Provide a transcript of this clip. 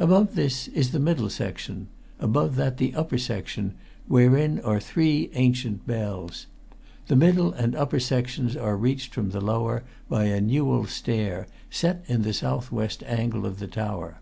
Above this is the middle section; above that the upper section, wherein are three ancient bells. The middle and upper sections are reached from the lower by a newel stair, set in the south west angle of the tower.